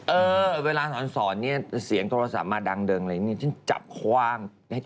เออเวลาสอนนี่เสียงโทรศัพท์มาดังเดิมอะไรอย่างนี้